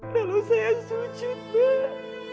kalau saya sujud mbak